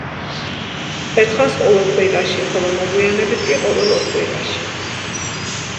ერთხანს ყოველ კვირაში, ხოლო მოგვიანებით კი ყოველ ორ კვირაში.